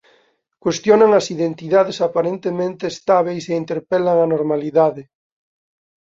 Cuestionan as identidades aparentemente estábeis e interpelan a normalidade.